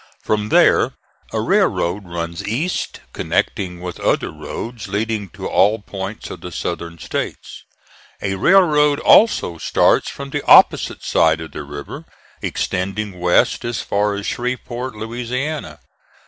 From there a railroad runs east, connecting with other roads leading to all points of the Southern States. A railroad also starts from the opposite side of the river, extending west as far as Shreveport, Louisiana.